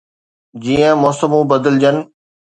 جيئن موسمون بدلجن